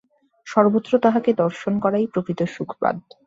সর্বত্র তাঁহাকে দর্শন করাই প্রকৃত সুখবাদ।